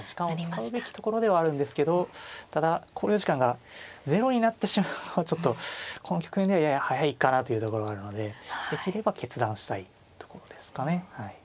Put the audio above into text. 時間を使うべきところではあるんですけどただ考慮時間がゼロになってしまうのはちょっとこの局面ではやや早いかなというところがあるのでできれば決断したいところですかね。